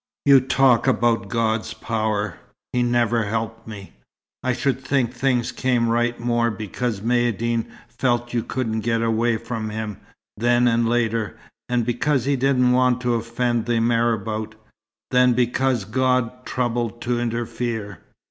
You talk about 'God's power.' He's never helped me. I should think 'things came right' more because Maïeddine felt you couldn't get away from him, then and later, and because he didn't want to offend the marabout, than because God troubled to interfere.